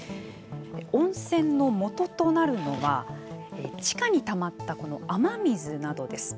温泉のもととなるのは地下にたまったこの雨水などです。